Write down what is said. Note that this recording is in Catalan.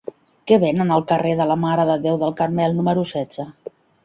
Què venen al carrer de la Mare de Déu del Carmel número setze?